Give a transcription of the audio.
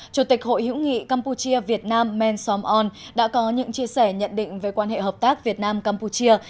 chủ tịch hội hữu nghị campuchia việt nam men som on đã có những chia sẻ nhận định về quan hệ hợp tác việt nam campuchia